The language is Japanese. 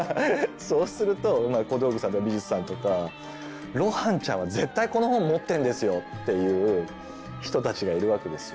そうすると小道具さんとか美術さんとか「露伴ちゃんは絶対この本持ってんですよ！」っていう人たちがいるわけですよ。